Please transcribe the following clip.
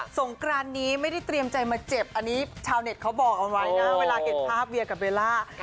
งกรานนี้ไม่ได้เตรียมใจมาเจ็บอันนี้ชาวเน็ตเขาบอกเอาไว้นะเวลาเห็นภาพเวียกับเบลล่า